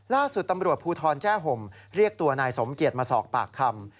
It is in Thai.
ล่าสุดตำรวจภูทรแจ้ห่มเรียกตัวนายสมเกียจมาสอบปากคำ